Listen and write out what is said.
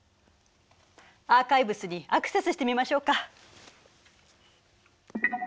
アーカイブスにアクセスしてみましょうか。